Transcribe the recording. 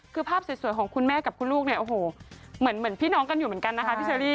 คือภาพสวยของคุณแม่กับคุณลูกเนี่ยโอ้โหเหมือนพี่น้องกันอยู่เหมือนกันนะคะพี่เชอรี่